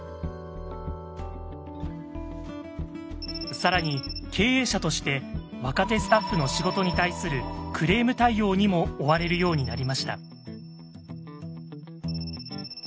更に経営者として若手スタッフの仕事に対するクレーム対応にも追われるようになりました。